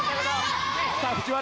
さあ藤原